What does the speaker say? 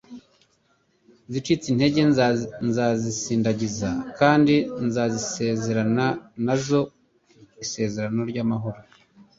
izicitse intege nzazisindagiza." "Kandi nzasezerana na zo isezerano ry'amahoro."